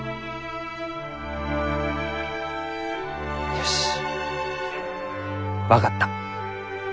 よし分かった。